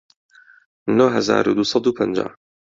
نۆ هەزار و دوو سەد و پەنجا